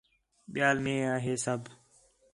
ٻِیال میوا ہے سب